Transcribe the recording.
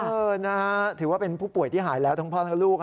เออนะฮะถือว่าเป็นผู้ป่วยที่หายแล้วทั้งพ่อและลูก